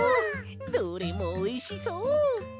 どれもおいしそう！